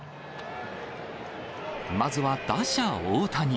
まずは打者、大谷。